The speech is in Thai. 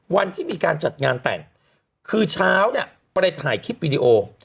วันที่มีการจัดงานแต่งคือเช้าเนี่ยไปถ่ายคลิปวิดีโอ